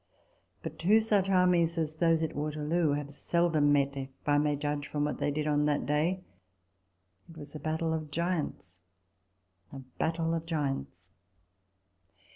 But two such armies as those at Waterloo have seldom met, if I may judge from what they did on that day. It was a battle of giants ! a battle of giants